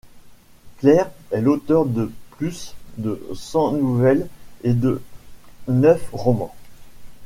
Clair est l'auteur de plus de cents nouvelles et de neuf romans.